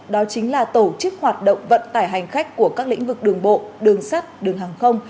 đó chính là tổ chức hoạt động vận tải hành khách